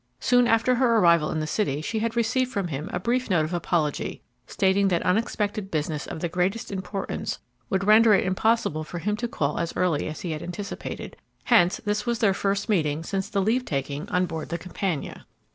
Soon after her arrival in the city she had received from him a brief note of apology, stating that unexpected business of the greatest importance would render it impossible for him to call as early as he had anticipated; hence this was their first meeting since the leave taking on board the "Campania."